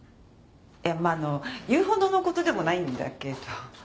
まあ言うほどの事でもないんだけど。